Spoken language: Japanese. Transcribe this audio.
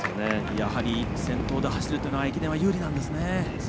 やはり先頭で走るというのは駅伝は有利なんですね。